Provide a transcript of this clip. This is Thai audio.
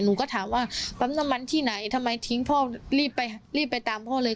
หนูก็ถามว่าปั๊มน้ำมันที่ไหนทำไมทิ้งพ่อรีบไปรีบไปตามพ่อเลย